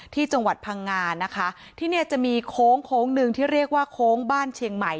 ที่จังหวัดพังงานะคะที่เนี่ยจะมีโค้งโค้งหนึ่งที่เรียกว่าโค้งบ้านเชียงใหม่